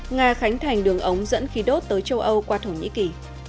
nga khánh thành đường ống dẫn khí đốt tới châu âu qua thổ nhĩ kỳ